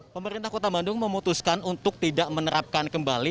pemerintah kota bandung memutuskan untuk tidak menerapkan kembali